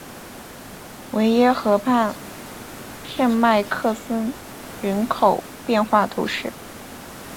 维耶河畔圣迈克桑人口变化图示